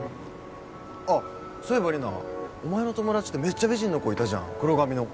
あっそういえばリナお前の友達でめちゃ美人な子いたじゃん黒髪の。